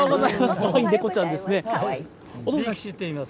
かわいい猫ちゃんですね。